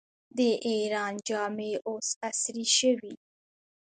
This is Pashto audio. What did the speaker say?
د ایران جامې اوس عصري شوي.